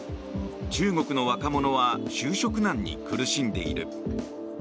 中国の若者は就職難に苦しんでいる。